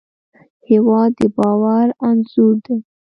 هېواد د باور انځور دی.